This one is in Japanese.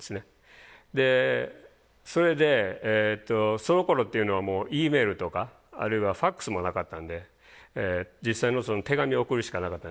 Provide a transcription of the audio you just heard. でそれでそのころっていうのはもうＥメールとかあるいはファックスもなかったんで実際の手紙を送るしかなかったんですけど。